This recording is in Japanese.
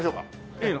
いいの？